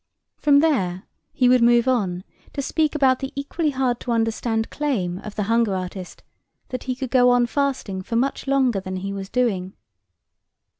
From there he would move on to speak about the equally hard to understand claim of the hunger artist that he could go on fasting for much longer than he was doing.